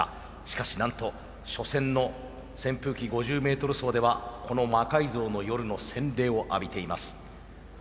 しかしなんと初戦の扇風機５０メートル走ではこの「魔改造の夜」の洗礼を浴びています。